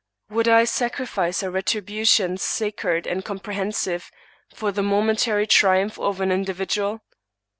Would I sacrifice a retribution sacred and comprehensive, for the momentary triumph over an individual?